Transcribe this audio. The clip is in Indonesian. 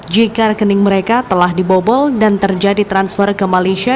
jika rekening mereka telah dibobol dan terjadi transfer ke malaysia